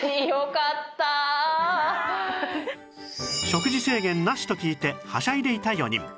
食事制限なしと聞いてはしゃいでいた４人